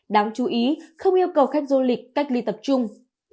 đáng chú ý không yêu cầu khách du lịch cách ly tập trung